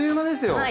はい。